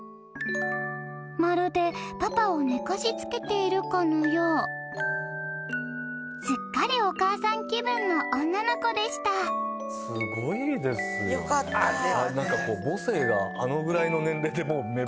まるでパパを寝かしつけているかのようすっかりお母さん気分の女の子でした間髪入れずにいかせていただきます